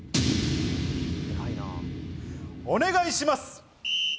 お願いします。